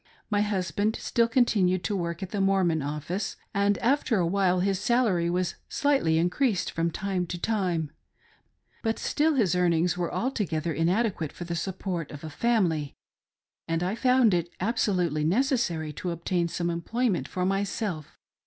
My husband stilL continued to work at the Mormon office, and after a while his salary was slightly increased from time to time ; but still his earnings were altogether inadequate for the support of a faipily, and I found it absolutely necessary to obtain some employment for myself.